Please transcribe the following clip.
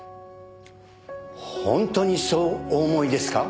本当にそうお思いですか？